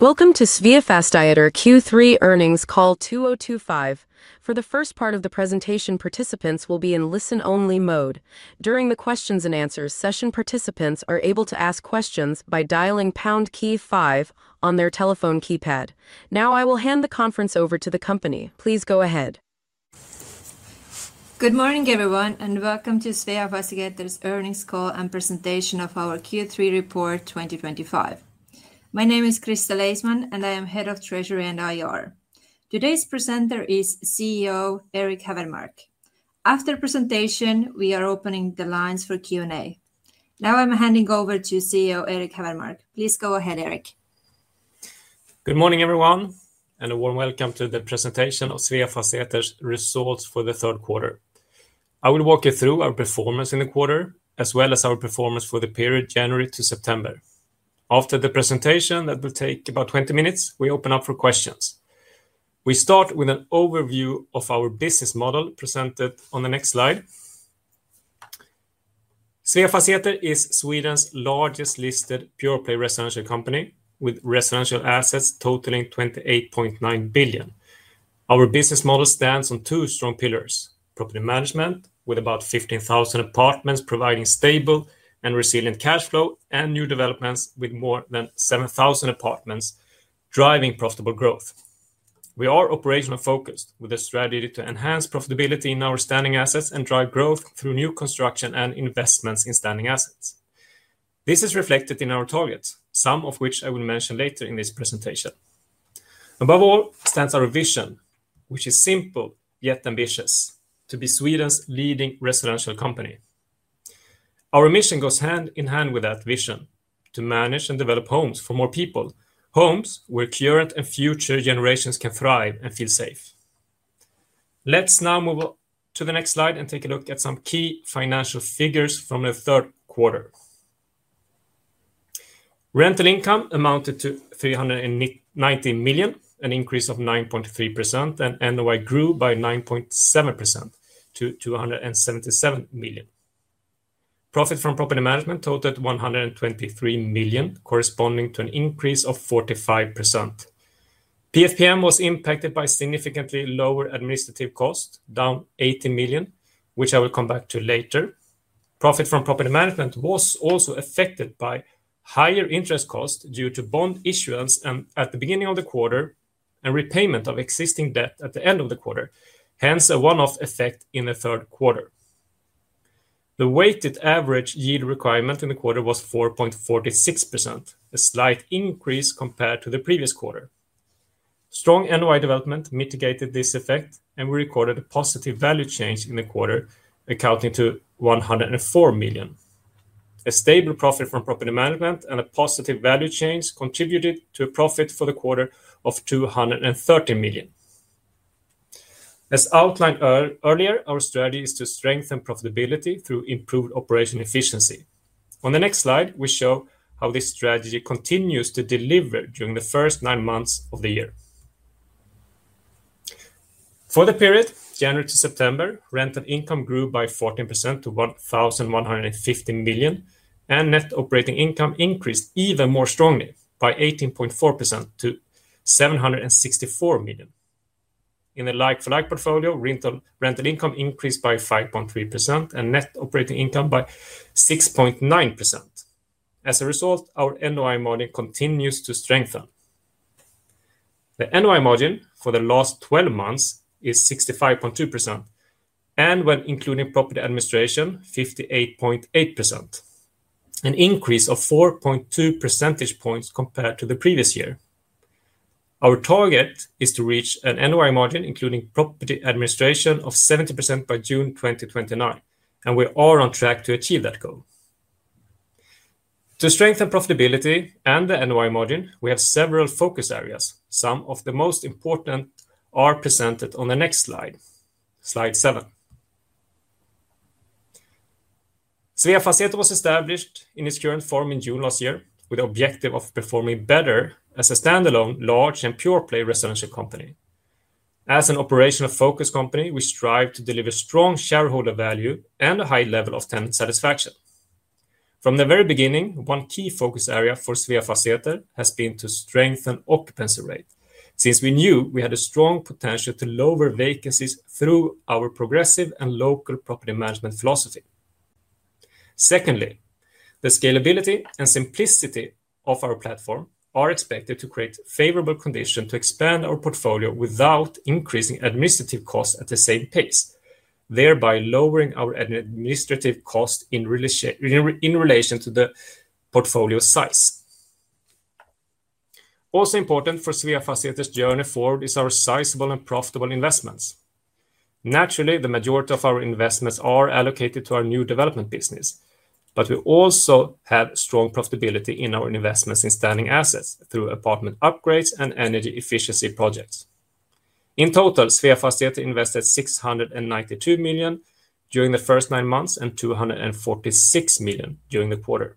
Welcome to Sveafastigheter Q3 earnings call 2025. For the first part of the presentation, participants will be in listen-only mode. During the Q&A session, participants are able to ask questions by dialing pound key five on their telephone keypad. Now I will hand the conference over to the company. Please go ahead. Good morning, everyone, and welcome to Sveafastigheter's earnings call and presentation of our Q3 report 2025. My name is Kristel Eismann, and I am Head of Treasury and IR. Today's presenter is CEO Erik Hävermark. After the presentation, we are opening the lines for Q&A. Now I'm handing over to CEO Erik Hävermark. Please go ahead, Erik. Good morning, everyone, and a warm welcome to the presentation of Sveafastigheter's results for the third quarter. I will walk you through our performance in the quarter, as well as our performance for the period January to September. After the presentation that will take about 20 minutes, we open up for questions. We start with an overview of our business model, presented on the next slide. Sveafastigheter is Sweden's largest listed pure-play residential company, with residential assets totaling 28.9 billion. Our business model stands on two strong pillars: property management, with about 15,000 apartments providing stable and resilient cash flow, and new developments with more than 7,000 apartments driving profitable growth. We are operational-focused, with a strategy to enhance profitability in our standing assets and drive growth through new construction and investments in standing assets. This is reflected in our targets, some of which I will mention later in this presentation. Above all stands our vision, which is simple yet ambitious: to be Sweden's leading residential company. Our mission goes hand in hand with that vision: to manage and develop homes for more people, homes where current and future generations can thrive and feel safe. Let's now move to the next slide and take a look at some key financial figures from the third quarter. Rental income amounted to 390 million, an increase of 9.3%, and NOI grew by 9.7% to 277 million. Profit from property management totaled 123 million, corresponding to an increase of 45%. PFPM was impacted by significantly lower administrative costs, down 80 million, which I will come back to later. Profit from property management was also affected by higher interest costs due to bond issuance at the beginning of the quarter and repayment of existing debt at the end of the quarter, hence a one-off effect in the third quarter. The weighted average yield requirement in the quarter was 4.46%, a slight increase compared to the previous quarter. Strong NOI development mitigated this effect, and we recorded a positive value change in the quarter, accounting for 104 million. A stable profit from property management and a positive value change contributed to a profit for the quarter of 230 million. As outlined earlier, our strategy is to strengthen profitability through improved operational efficiency. On the next slide, we show how this strategy continues to deliver during the first nine months of the year. For the period January to September, rental income grew by 14% to 1,150 million, and net operating income increased even more strongly by 18.4% to 764 million. In the like-for-like portfolio, rental income increased by 5.3% and net operating income by 6.9%. As a result, our NOI margin continues to strengthen. The NOI margin for the last 12 months is 65.2%, and when including property administration, 58.8%. An increase of 4.2 percentage points compared to the previous year. Our target is to reach an NOI margin including property administration of 70% by June 2029, and we are on track to achieve that goal. To strengthen profitability and the NOI margin, we have several focus areas. Some of the most important are presented on the next slide, slide seven. Sveafastigheter was established in its current form in June last year, with the objective of performing better as a standalone large and pure-play residential company. As an operational-focused company, we strive to deliver strong shareholder value and a high level of tenant satisfaction. From the very beginning, one key focus area for Sveafastigheter has been to strengthen occupancy rate, since we knew we had a strong potential to lower vacancies through our progressive and local property management philosophy. Secondly, the scalability and simplicity of our platform are expected to create favorable conditions to expand our portfolio without increasing administrative costs at the same pace, thereby lowering our administrative costs in relation to the portfolio size. Also important for Sveafastigheter's journey forward is our sizable and profitable investments. Naturally, the majority of our investments are allocated to our new development business, but we also have strong profitability in our investments in standing assets through apartment upgrades and energy efficiency projects. In total, Sveafastigheter invested 692 million during the first nine months and 246 million during the quarter.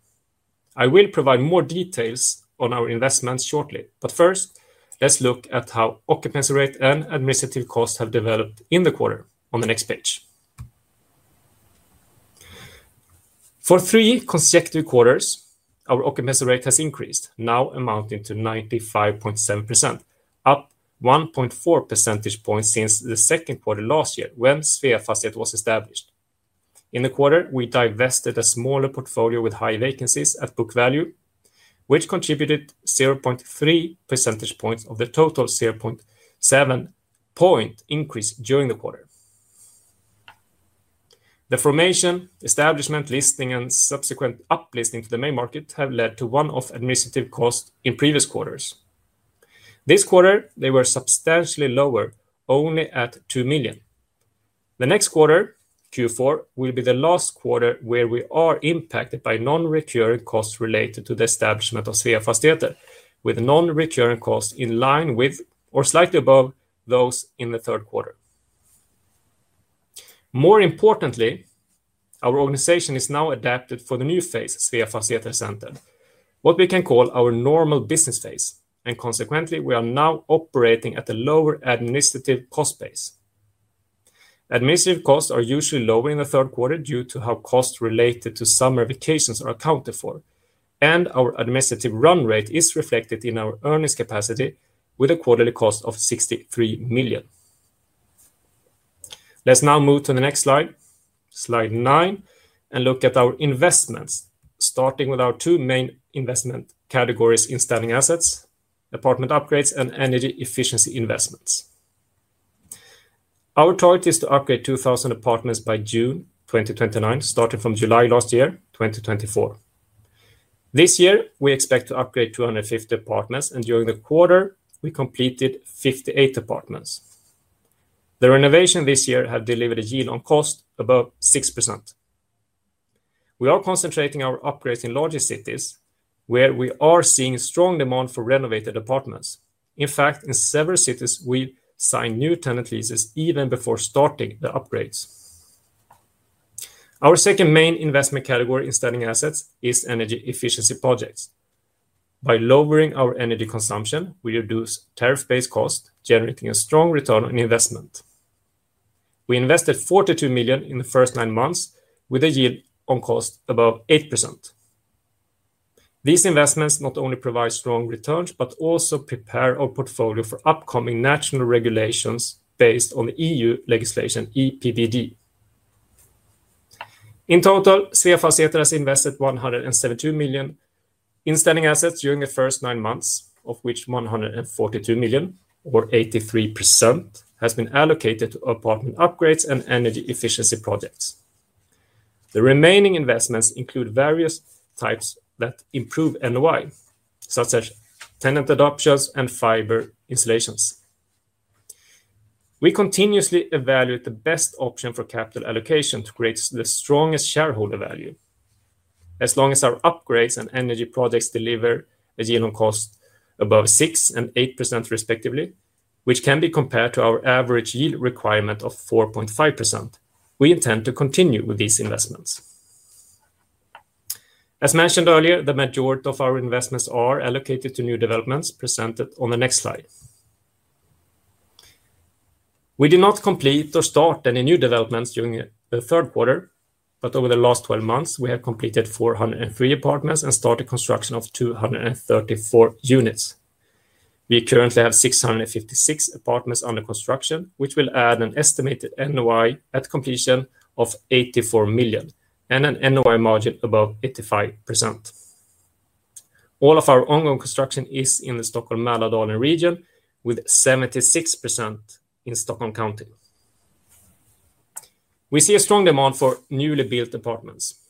I will provide more details on our investments shortly, but first, let's look at how occupancy rate and administrative costs have developed in the quarter on the next page. For three consecutive quarters, our occupancy rate has increased, now amounting to 95.7%, up 1.4 percentage points since the second quarter last year when Sveafastigheter was established. In the quarter, we divested a smaller portfolio with high vacancies at book value, which contributed 0.3 percentage points of the total 0.7-point increase during the quarter. The formation, establishment, listing, and subsequent uplisting to the main market have led to one-off administrative costs in previous quarters. This quarter, they were substantially lower, only at 2 million. The next quarter, Q4, will be the last quarter where we are impacted by non-recurring costs related to the establishment of Sveafastigheter, with non-recurring costs in line with or slightly above those in the third quarter. More importantly, our organization is now adapted for the new phase, Sveafastigheter Center, what we can call our normal business phase, and consequently, we are now operating at a lower administrative cost base. Administrative costs are usually lower in the third quarter due to how costs related to summer vacations are accounted for, and our administrative run rate is reflected in our earnings capacity with a quarterly cost of 63 million. Let's now move to the next slide, slide nine, and look at our investments, starting with our two main investment categories in standing assets, apartment upgrades, and energy efficiency investments. Our target is to upgrade 2,000 apartments by June 2029, starting from July last year, 2024. This year, we expect to upgrade 250 apartments, and during the quarter, we completed 58 apartments. The renovation this year has delivered a yield on cost above 6%. We are concentrating our upgrades in larger cities, where we are seeing strong demand for renovated apartments. In fact, in several cities, we signed new tenant leases even before starting the upgrades. Our second main investment category in standing assets is energy efficiency projects. By lowering our energy consumption, we reduce tariff-based costs, generating a strong return on investment. We invested 42 million in the first nine months, with a yield on cost above 8%. These investments not only provide strong returns but also prepare our portfolio for upcoming national regulations based on the EU legislation, EPBD. In total, Sveafastigheter has invested 172 million in standing assets during the first nine months, of which 142 million, or 83%, has been allocated to apartment upgrades and energy efficiency projects. The remaining investments include various types that improve NOI, such as tenant adoptions and fiber installations. We continuously evaluate the best option for capital allocation to create the strongest shareholder value. As long as our upgrades and energy projects deliver a yield on cost above 6% and 8%, respectively, which can be compared to our average yield requirement of 4.5%, we intend to continue with these investments. As mentioned earlier, the majority of our investments are allocated to new developments, presented on the next slide. We did not complete or start any new developments during the third quarter, but over the last 12 months, we have completed 403 apartments and started construction of 234 units. We currently have 656 apartments under construction, which will add an estimated NOI at completion of 84 million and an NOI margin above 85%. All of our ongoing construction is in the Stockholm-Mälardalen region, with 76% in Stockholm County. We see a strong demand for newly built apartments.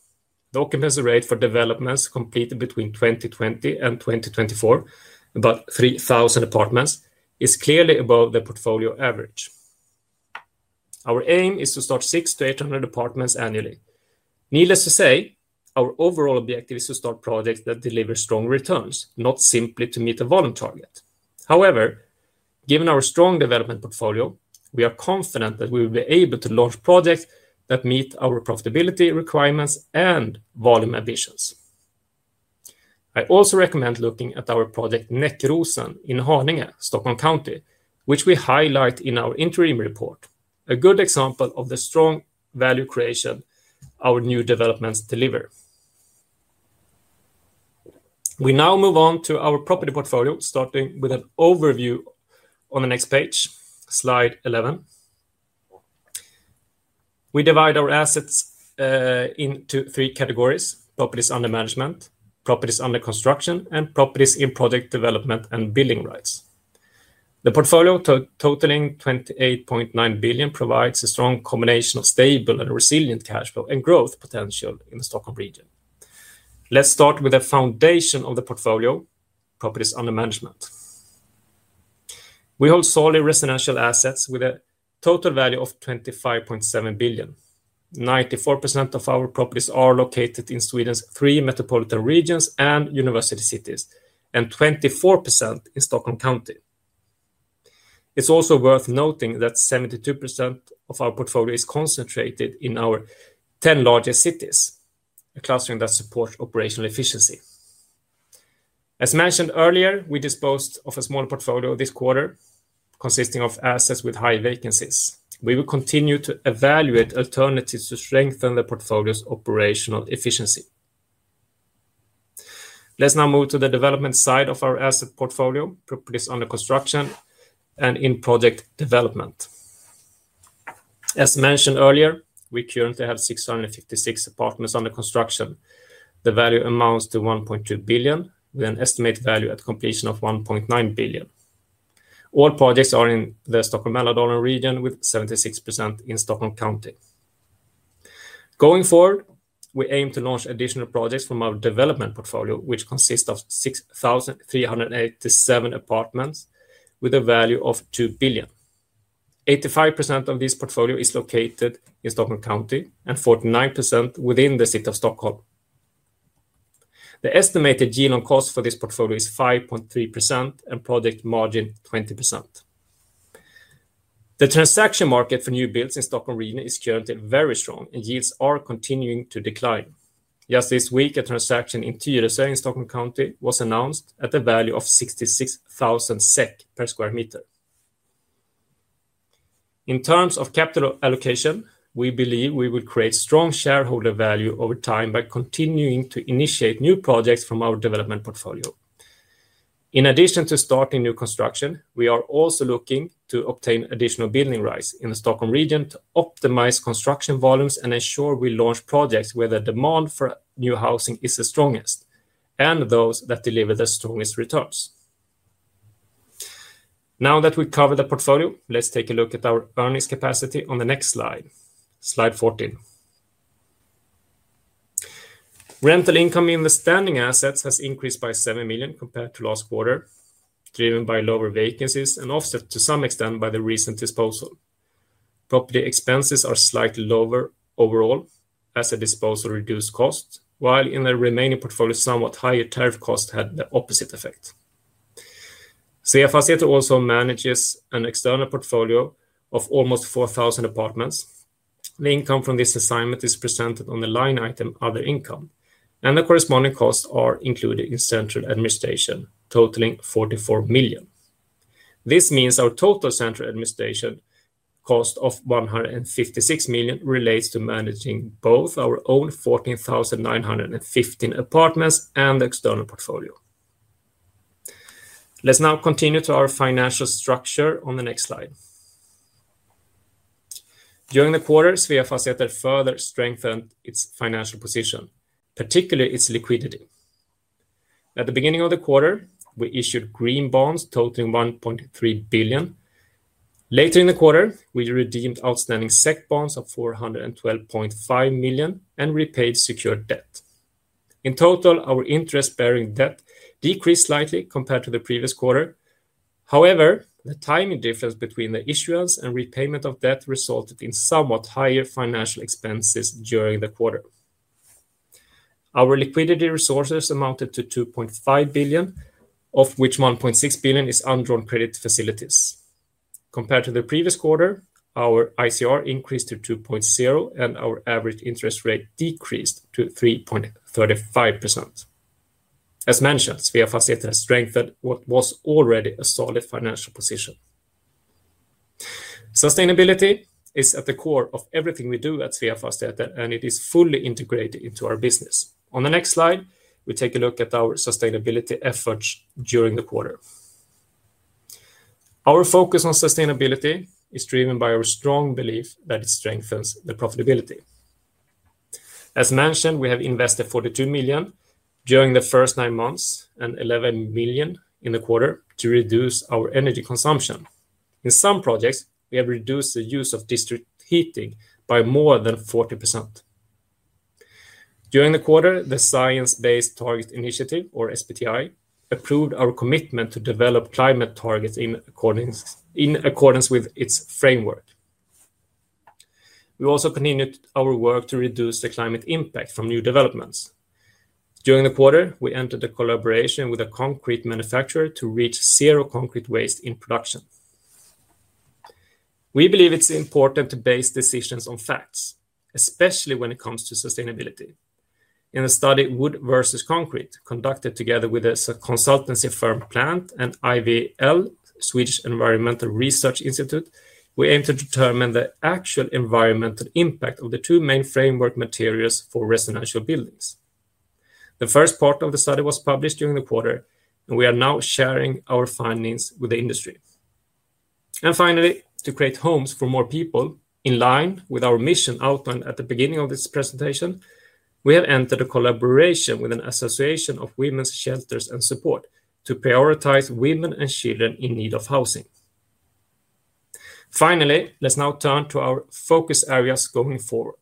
The occupancy rate for developments completed between 2020 and 2024, about 3,000 apartments, is clearly above the portfolio average. Our aim is to start 600-800 apartments annually. Needless to say, our overall objective is to start projects that deliver strong returns, not simply to meet a volume target. However, given our strong development portfolio, we are confident that we will be able to launch projects that meet our profitability requirements and volume ambitions. I also recommend looking at our project Näckrosen in Haninge, Stockholm County, which we highlight in our interim report, a good example of the strong value creation our new developments deliver. We now move on to our property portfolio, starting with an overview on the next page, slide 11. We divide our assets into three categories: properties under management, properties under construction, and properties in project development and building rights. The portfolio totaling 28.9 billion provides a strong combination of stable and resilient cash flow and growth potential in the Stockholm region. Let's start with the foundation of the portfolio, properties under management. We hold solely residential assets with a total value of 25.7 billion. 94% of our properties are located in Sweden's three metropolitan regions and university cities, and 24% in Stockholm County. It's also worth noting that 72% of our portfolio is concentrated in our 10 largest cities, a clustering that supports operational efficiency. As mentioned earlier, we disposed of a smaller portfolio this quarter, consisting of assets with high vacancies. We will continue to evaluate alternatives to strengthen the portfolio's operational efficiency. Let's now move to the development side of our asset portfolio, properties under construction and in project development. As mentioned earlier, we currently have 656 apartments under construction. The value amounts to 1.2 billion, with an estimated value at completion of 1.9 billion. All projects are in the Stockholm-Mälardalen region, with 76% in Stockholm County. Going forward, we aim to launch additional projects from our development portfolio, which consists of 6,387 apartments with a value of 2 billion. 85% of this portfolio is located in Stockholm County and 49% within the City of Stockholm. The estimated yield on cost for this portfolio is 5.3% and project margin 20%. The transaction market for new builds in the Stockholm region is currently very strong, and yields are continuing to decline. Just this week, a transaction in Tyresö in Stockholm County was announced at a value of 66,000 SEK per sq m. In terms of capital allocation, we believe we will create strong shareholder value over time by continuing to initiate new projects from our development portfolio. In addition to starting new construction, we are also looking to obtain additional building rights in the Stockholm region to optimize construction volumes and ensure we launch projects where the demand for new housing is the strongest and those that deliver the strongest returns. Now that we've covered the portfolio, let's take a look at our earnings capacity on the next slide, slide 14. Rental income in the standing assets has increased by 7 million compared to last quarter, driven by lower vacancies and offset to some extent by the recent disposal. Property expenses are slightly lower overall as a disposal reduced cost, while in the remaining portfolio, somewhat higher tariff costs had the opposite effect. Sveafastigheter also manages an external portfolio of almost 4,000 apartments. The income from this assignment is presented on the line item "Other Income," and the corresponding costs are included in central administration, totaling 44 million. This means our total central administration cost of 156 million relates to managing both our own 14,915 apartments and the external portfolio. Let's now continue to our financial structure on the next slide. During the quarter, Sveafastigheter further strengthened its financial position, particularly its liquidity. At the beginning of the quarter, we issued green bonds totaling 1.3 billion. Later in the quarter, we redeemed outstanding SEK bonds of 412.5 million and repaid secured debt. In total, our interest-bearing debt decreased slightly compared to the previous quarter. However, the timing difference between the issuance and repayment of debt resulted in somewhat higher financial expenses during the quarter. Our liquidity resources amounted to 2.5 billion, of which 1.6 billion is undrawn credit facilities. Compared to the previous quarter, our ICR increased to 2.0, and our average interest rate decreased to 3.35%. As mentioned, Sveafastigheter has strengthened what was already a solid financial position. Sustainability is at the core of everything we do at Sveafastigheter, and it is fully integrated into our business. On the next slide, we take a look at our sustainability efforts during the quarter. Our focus on sustainability is driven by our strong belief that it strengthens the profitability. As mentioned, we have invested 42 million during the first nine months and 11 million in the quarter to reduce our energy consumption. In some projects, we have reduced the use of district heating by more than 40%. During the quarter, the Science Based Targets Initiative, or SBTI, approved our commitment to develop climate targets in accordance with its framework. We also continued our work to reduce the climate impact from new developments. During the quarter, we entered a collaboration with a concrete manufacturer to reach zero concrete waste in production. We believe it's important to base decisions on facts, especially when it comes to sustainability. In the study "Wood vs. Concrete," conducted together with a consultancy firm Plant and IVL Swedish Environmental Research Institute, we aim to determine the actual environmental impact of the two main framework materials for residential buildings. The first part of the study was published during the quarter, and we are now sharing our findings with the industry. Finally, to create homes for more people, in line with our mission outlined at the beginning of this presentation, we have entered a collaboration with an association of women's shelters and support to prioritize women and children in need of housing. Let's now turn to our focus areas going forward.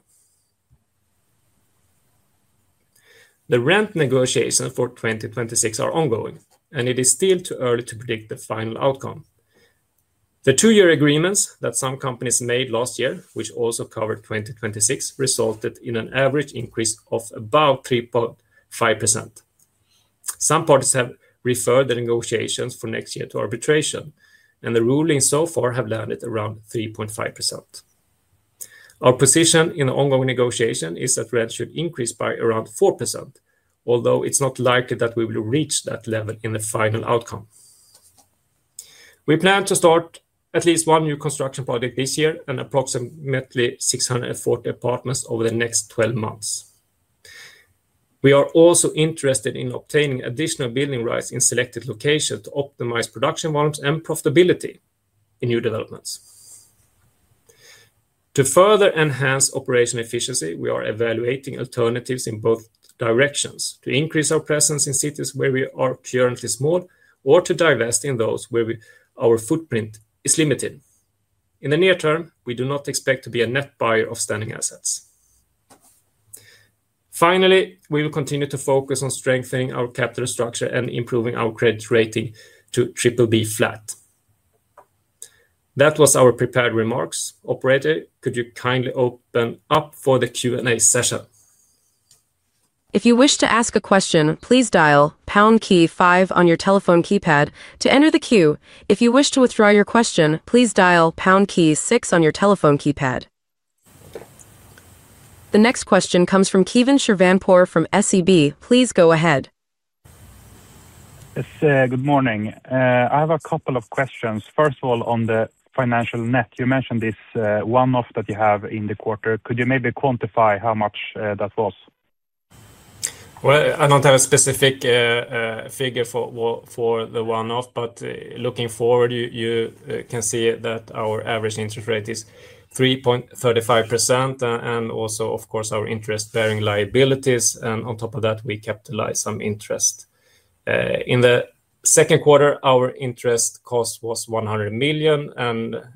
The rent negotiations for 2026 are ongoing, and it is still too early to predict the final outcome. The two-year agreements that some companies made last year, which also covered 2026, resulted in an average increase of about 3.5%. Some parties have referred the negotiations for next year to arbitration, and the rulings so far have landed around 3.5%. Our position in the ongoing negotiation is that rent should increase by around 4%, although it's not likely that we will reach that level in the final outcome. We plan to start at least one new construction project this year and approximately 640 apartments over the next 12 months. We are also interested in obtaining additional building rights in selected locations to optimize production volumes and profitability in new developments. To further enhance operational efficiency, we are evaluating alternatives in both directions: to increase our presence in cities where we are currently small, or to divest in those where our footprint is limited. In the near term, we do not expect to be a net buyer of standing assets. Finally, we will continue to focus on strengthening our capital structure and improving our credit rating to BBB flat. That was our prepared remarks. Operator, could you kindly open up for the Q&A session? If you wish to ask a question, please dial pound key five on your telephone keypad to enter the queue. If you wish to withdraw your question, please dial pound key six on your telephone keypad. The next question comes from Keivan Shirvanpour from SEB. Please go ahead. Yes, good morning. I have a couple of questions. First of all, on the financial net, you mentioned this one-off that you have in the quarter. Could you maybe quantify how much that was? I do not have a specific figure for the one-off, but looking forward, you can see that our average interest rate is 3.35%, and also, of course, our interest-bearing liabilities. On top of that, we capitalize some interest. In the second quarter, our interest cost was 100 million.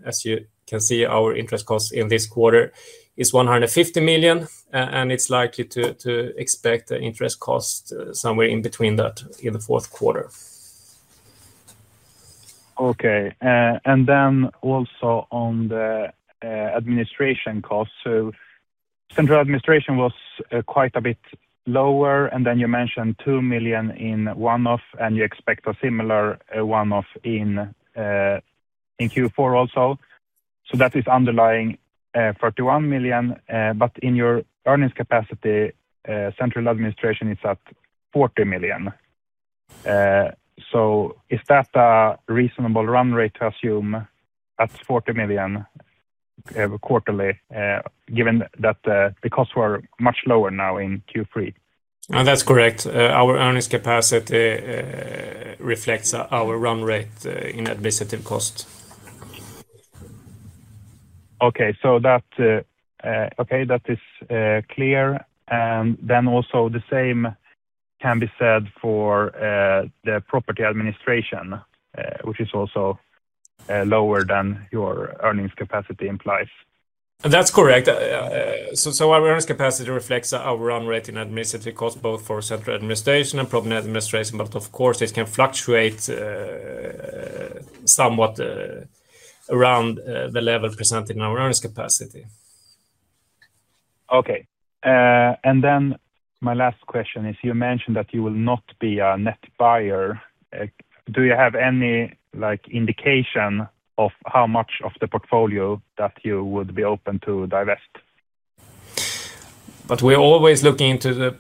As you can see, our interest cost in this quarter is 150 million, and it is likely to expect the interest cost somewhere in between that in the fourth quarter. Okay. Also, on the administration cost, central administration was quite a bit lower. You mentioned 2 million in one-off, and you expect a similar one-off in Q4 also. That is underlying 31 million. In your earnings capacity, central administration is at 40 million. Is that a reasonable run rate to assume at 40 million quarterly, given that the costs were much lower now in Q3? That is correct. Our earnings capacity reflects our run rate in administration cost. Okay. That is clear. The same can be said for the property administration, which is also lower than your earnings capacity implies. That's correct. Our earnings capacity reflects our run rate in admissive cost, both for central administration and property administration. Of course, it can fluctuate somewhat around the level presented in our earnings capacity. Okay. My last question is, you mentioned that you will not be a net buyer. Do you have any indication of how much of the portfolio that you would be open to divest? We're always looking into the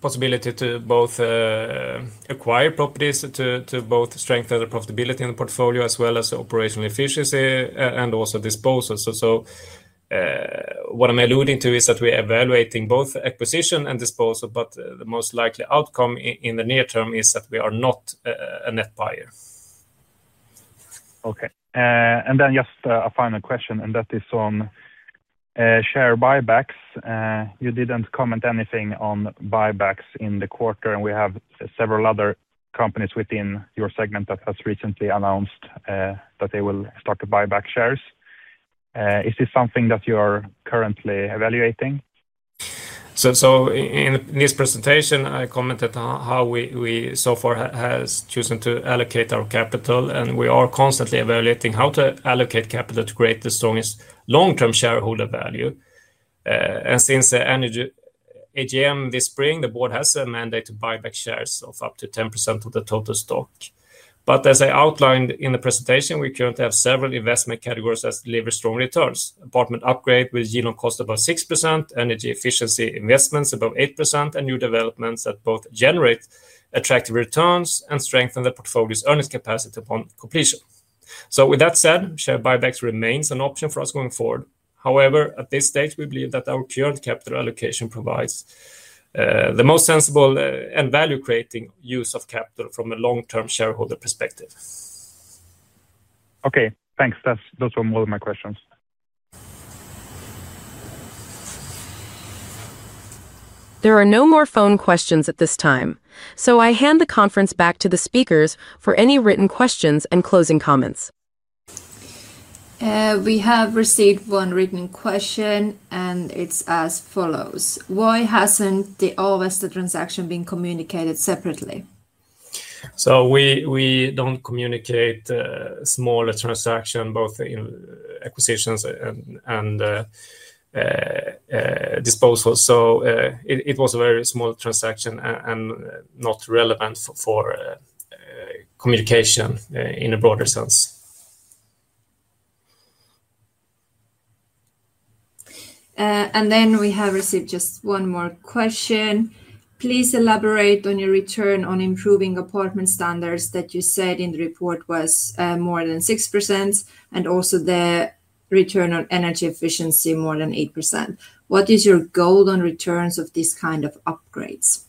possibility to both acquire properties to strengthen the profitability in the portfolio as well as operational efficiency and also disposal. What I'm alluding to is that we're evaluating both acquisition and disposal, but the most likely outcome in the near term is that we are not a net buyer. Okay. Just a final question, and that is on share buybacks. You did not comment anything on buybacks in the quarter, and we have several other companies within your segment that have recently announced that they will start to buy back shares. Is this something that you are currently evaluating? In this presentation, I commented on how we so far have chosen to allocate our capital, and we are constantly evaluating how to allocate capital to create the strongest long-term shareholder value. Since the AGM this spring, the board has a mandate to buy back shares of up to 10% of the total stock. As I outlined in the presentation, we currently have several investment categories that deliver strong returns: apartment upgrades with yield on cost above 6%, energy efficiency investments above 8%, and new developments that both generate attractive returns and strengthen the portfolio's earnings capacity upon completion. With that said, share buybacks remains an option for us going forward. However, at this stage, we believe that our current capital allocation provides the most sensible and value-creating use of capital from a long-term shareholder perspective. Okay. Thanks. Those were more of my questions. There are no more phone questions at this time, so I hand the conference back to the speakers for any written questions and closing comments. We have received one written question, and it is as follows. Why has not the All-vested transaction been communicated separately? We do not communicate small transactions, both in acquisitions and disposals. It was a very small transaction and not relevant for communication in a broader sense. We have received just one more question. Please elaborate on your return on improving apartment standards that you said in the report was more than 6% and also the return on energy efficiency more than 8%. What is your goal on returns of this kind of upgrades?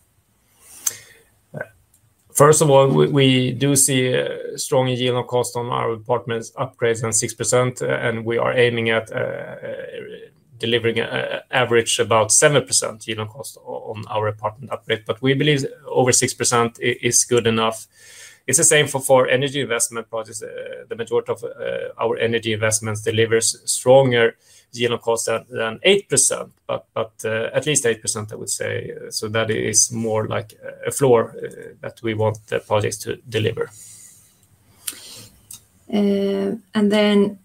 First of all, we do see a strong yield on cost on our apartment upgrades than 6%, and we are aiming at delivering an average of about 7% yield on cost on our apartment upgrade. But we believe over 6% is good enough. It is the same for energy investment projects. The majority of our energy investments deliver stronger yield on cost than 8%, but at least 8%, I would say. That is more like a floor that we want the projects to deliver. And then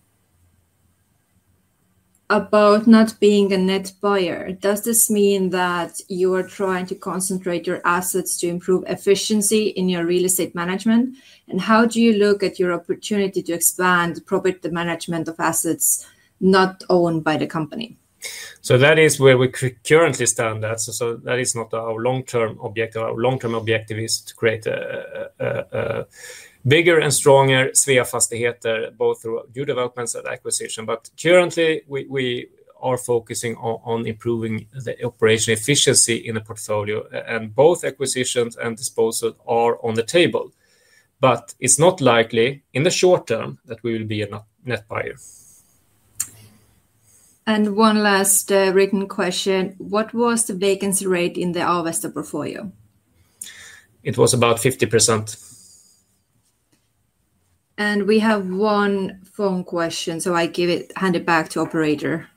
about not being a net buyer, does this mean that you are trying to concentrate your assets to improve efficiency in your real estate management? And how do you look at your opportunity to expand the management of assets not owned by the company? So that is where we currently stand at. That is not our long-term objective. Our long-term objective is to create a bigger and stronger Sveafastigheter, both through new developments and acquisition. Currently, we are focusing on improving the operational efficiency in the portfolio, and both acquisitions and disposal are on the table. It is not likely in the short term that we will be a net buyer. One last written question. What was the vacancy rate in the all-vested portfolio? It was about 50%. We have one phone question, so I hand it back to operator.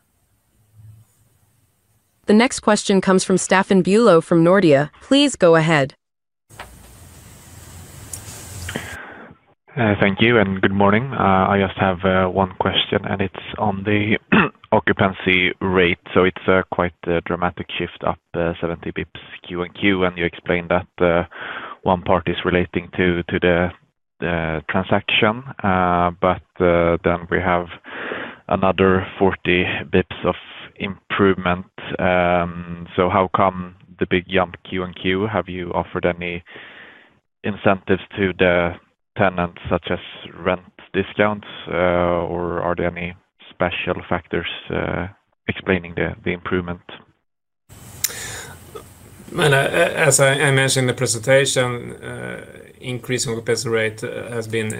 The next question comes from Staffan Bülow from Nordea. Please go ahead. Thank you and good morning. I just have one question, and it's on the occupancy rate. It is quite a dramatic shift, up 70 basis points Q1Q, and you explained that. One part is relating to the transaction, but then we have another 40 basis points of improvement. How come the big jump Q1Q? Have you offered any incentives to the tenants, such as rent discounts, or are there any special factors explaining the improvement? As I mentioned in the presentation, increasing occupancy rate has been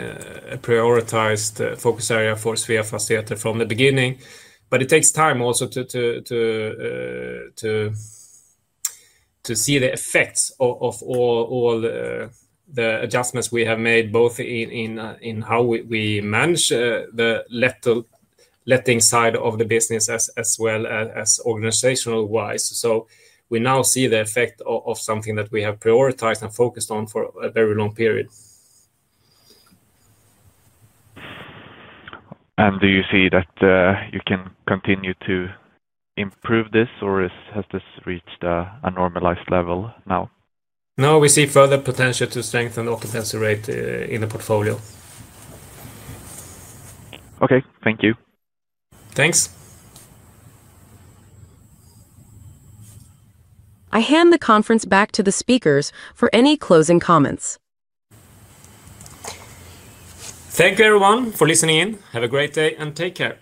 a prioritized focus area for Sveafastigheter from the beginning. It takes time also to see the effects of all the adjustments we have made, both in how we manage the letting side of the business as well as organizational-wise. We now see the effect of something that we have prioritized and focused on for a very long period. Do you see that you can continue to improve this, or has this reached a normalized level now? No, we see further potential to strengthen the occupancy rate in the portfolio. Okay. Thank you. Thanks. I hand the conference back to the speakers for any closing comments. Thank you, everyone, for listening in. Have a great day and take care.